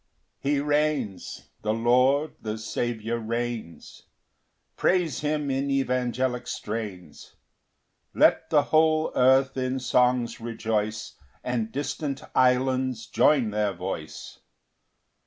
1 He reigns; the Lord, the Saviour reigns; Praise him in evangelic strains; Let the whole earth in songs rejoice, And distant islands join their voice.